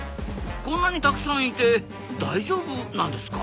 こんなにたくさんいて大丈夫なんですか？